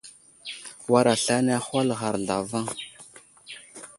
War aslane ahwal ghar zlavaŋ.